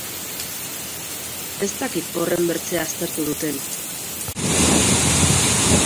Ez dakit horrenbertze aztertu duten.